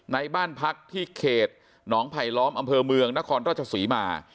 ในบ้านพักที่เขตหนองไผลล้อมอำเภอเมืองนครราชศรีมา